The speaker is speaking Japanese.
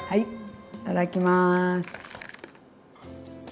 いただきます。